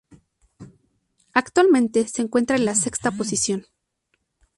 Actualmente se encuentra en la sexta posición.